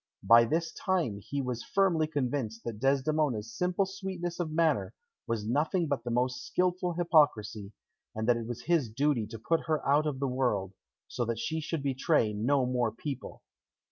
By this time he was firmly convinced that Desdemona's simple sweetness of manner was nothing but the most skilful hypocrisy, and that it was his duty to put her out of the world, so that she should betray no more people.